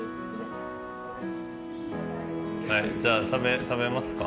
はいじゃあ食べますか？